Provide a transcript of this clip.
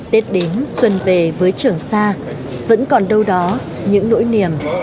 tết đến xuân về với trường sa vẫn còn đâu đó những nỗi niềm